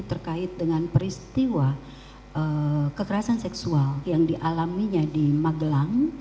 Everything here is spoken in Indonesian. terkait dengan peristiwa kekerasan seksual yang dialaminya di magelang